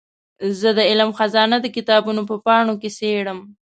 زه د علم خزانه د کتابونو په پاڼو کې څېړم.